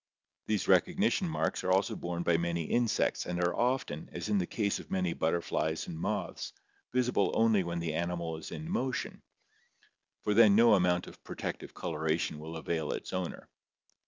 These recognition marks are also borne by many insects and are often, as in the case of many butterflies and moths, visible only when the animal is in motion, for then no amount of protective coloration will avail its owner.